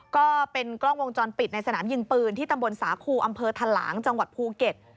ก็เป็นกล้องวงจรปิดในสนามยิงปืนที่ตำบลสาคูอำเภอทะหลางจังหวัดภูเก็ต